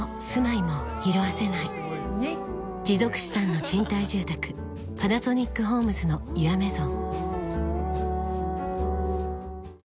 持続資産の賃貸住宅「パナソニックホームズのユアメゾン」